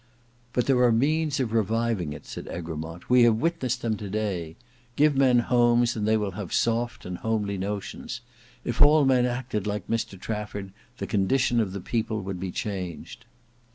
"But there are means of reviving it," said Egremont; "we have witnessed them to day. Give men homes, and they will have soft and homely notions, If all men acted like Mr Trafford, the condition of the people would be changed."